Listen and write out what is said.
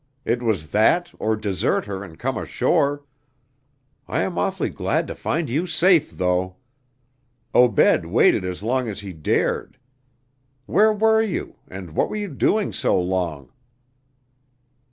It was that or desert her and come ashore. I am awfully glad to find you safe, though. Obed waited as long as he dared. Where were you, and what were you doing so long?"